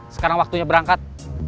sekarang waktunya berangkat